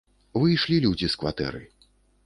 Выйшлі людзі з кватэры.